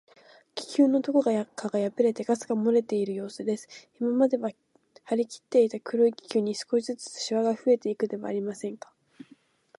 気球のどこかがやぶれて、ガスがもれているようすです。今まではりきっていた黒い気球に、少しずつしわがふえていくではありませんか。